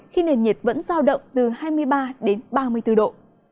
khi nền nhiệt vẫn giao động từ hai mươi ba đến ba mươi bốn độ